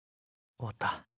終わった。